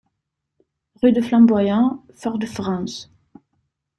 Rue du Flamboyant, Fort-de-France